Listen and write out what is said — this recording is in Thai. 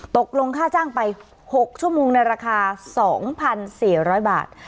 ตกลงค่าจ้างไป๖ชั่วโมงในราคา๒๔๐๐บาท